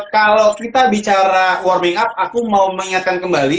kalau kita bicara warming up aku mau mengingatkan kembali